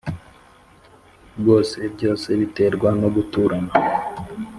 rwose byose biterwa no guturana